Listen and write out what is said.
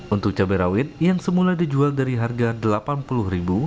untuk cabai rawit yang semula dijual dari harga rp delapan puluh